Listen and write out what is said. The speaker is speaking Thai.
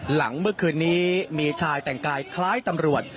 เมื่อคืนนี้มีชายแต่งกายคล้ายตำรวจ